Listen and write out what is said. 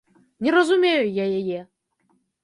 Не разумею я яе.